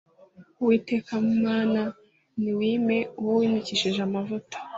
uwiteka mana ntiwime uwo wimikishije amavuta